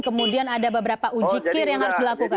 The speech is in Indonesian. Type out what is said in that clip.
kemudian ada beberapa ujikir yang harus dilakukan